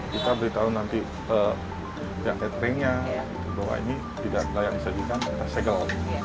kita beritahu nanti yang etrenya bahwa ini tidak layak disajikan kita segel